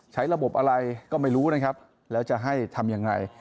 ใช้ระบบอะไรก็ไม่รู้นะครับแล้วจะให้ทำยังไง